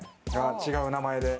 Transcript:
違う名前で。